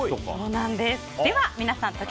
では皆さん